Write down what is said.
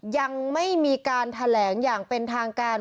ยังไม่มีการแถลงอย่างเป็นทางการ